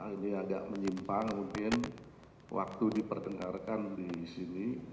ini agak menyimpang mungkin waktu diperdengarkan di sini